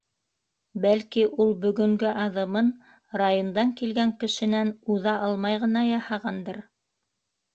Бәлки, ул бөгөнгө аҙымын райондан килгән кешенән уҙа алмай ғына яһағандыр?